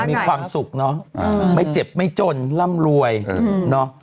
มีความสุขเนอะไม่เจ็บไม่จนร่ำรวยเนาะ